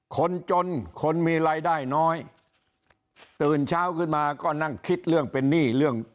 คนจนคนมีรายได้น้อยตื่นเช้าขึ้นมาก็นั่งคิดเรื่องเป็นหนี้เรื่อง